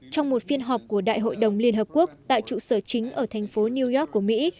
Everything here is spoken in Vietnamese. trong một phiên họp của đại hội đồng liên hợp quốc tại trụ sở chính ở thành phố new york của mỹ